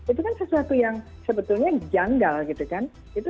itu kan sesuatu yang sebetulnya janggal gitu kan